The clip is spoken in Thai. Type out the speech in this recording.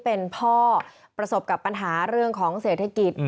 เป็นพ่อประสบกับปัญหาเรื่องของเศรษฐกิจ